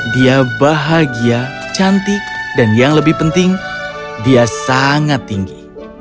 dia bahagia cantik dan yang lebih penting dia sangat tinggi